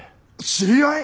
知り合い！？